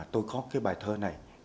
tôi có cái bài thơ này